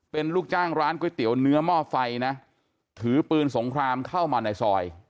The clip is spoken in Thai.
เป็นลูกจ้างร้านก๋วยเตี๋ยวเนื้อหม้อไฟนะถือปืนสงครามเข้ามาในซอย